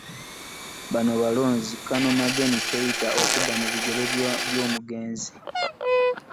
Bano balonze kkano Mangeni Keita okudda mu bigere by'omugenzi.